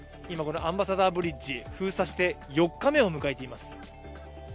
今、このアンバサダーブリッジ封鎖して４日目を迎えています。